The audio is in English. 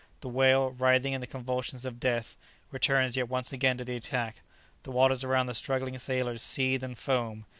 The whale, writhing in the convulsions of death, returns yet once again to the attack; the waters around the struggling sailors seethe and foam.